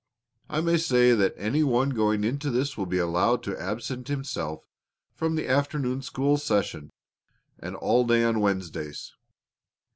I may say that any one going into this will be allowed to absent himself from the afternoon school session and all day on Wednesdays.